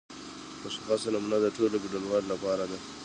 مشخصه نمونه د ټولو ګډونوالو لپاره.